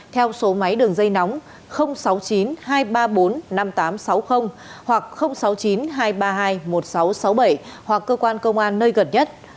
theo số máy đường dây nóng sáu mươi chín hai trăm ba mươi bốn năm nghìn tám trăm sáu mươi hoặc sáu mươi chín hai trăm ba mươi hai một nghìn sáu trăm sáu mươi bảy hoặc cơ quan công an nơi gần nhất